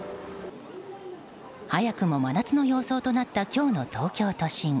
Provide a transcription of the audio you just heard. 早くも真夏の様相となった今日の東京都心。